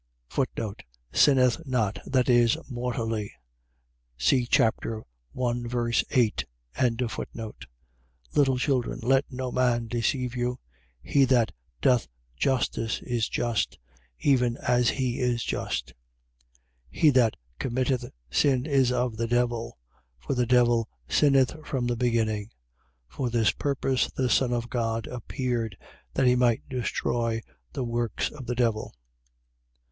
Sinneth not. . .viz., mortally. See chap. 1.8. 3:7. Little children, let no man deceive you. He that doth justice is just, even as he is just. 3:8. He that committeth sin is of the devil: for the devil sinneth from the beginning. For this purpose the Son of God appeared, that he might destroy the works of the devil.